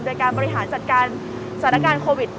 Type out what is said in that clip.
โดยการประหลาดสรรค์การสถานการณ์โควิด๑๙